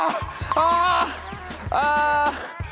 ああ！